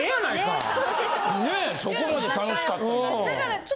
そこまで楽しかったら。